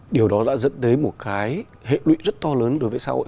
điều đó đã dẫn đến một cái hệ lụy rất to lớn đối với xã hội